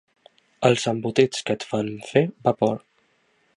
Els embotits que et fan fer vapor.